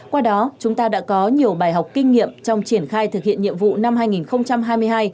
qua đó chúng ta đã có nhiều bài học kinh nghiệm trong triển khai thực hiện nhiệm vụ năm hai nghìn hai mươi hai